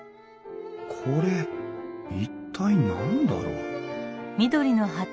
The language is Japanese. これ一体何だろう？